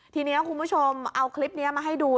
ทีนี้คุณผู้ชมเอาคลิปนี้มาให้ดู